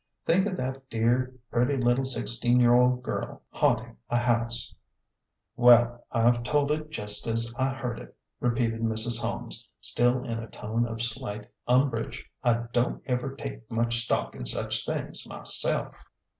Think of that dear, pretty little sixteen year old girl hauntin' a house !"" Well, I've told it jest as I heard it," repeated Mrs. Holmes, still in a tone of slight umbrage. " I don't ever take much stock in such things myself."